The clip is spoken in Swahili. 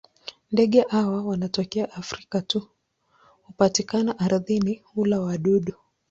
Ndege hawa wanatokea Afrika tu na hupatikana ardhini; hula wadudu.